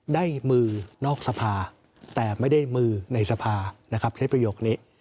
ได้มือนอกสภาแต่ไม่ได้มือในสภานะครับใช้ประโยคนี้